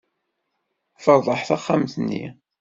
Feṛṛeḥ taxxamt-nni.